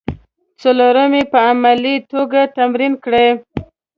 څلورم یې په عملي توګه تمرین کړئ.